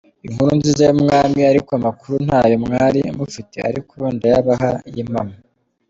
inkuru nziza y’umwami ariko amakuru ntayo mwari mufite ariko ndayabaha y’impano.